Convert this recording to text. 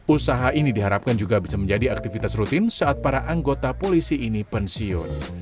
usaha ini diharapkan juga bisa menjadi aktivitas rutin saat para anggota polisi ini pensiun